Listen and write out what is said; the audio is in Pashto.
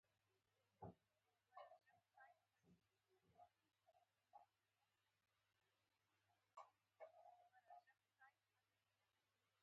د کانال له پروژې سره د پوليسو يو ماموريت و.